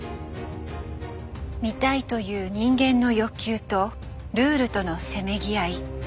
「見たい」という人間の欲求とルールとのせめぎ合い。